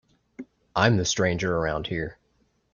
I'm the stranger around here.